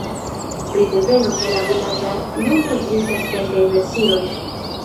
Pri deveno de la vilaĝa nomo ekzistas kelkaj versioj.